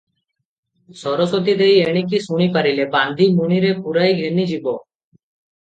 ସରସ୍ୱତୀ ଦେଈ ଏତିକି ଶୁଣି ପାରିଲେ, ବାନ୍ଧି ମୁଣିରେ ପୁରାଇ ଘେନିଯିବ ।